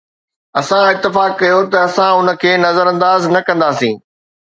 اسان اتفاق ڪيو ته اسان ان کي نظرانداز نه ڪنداسين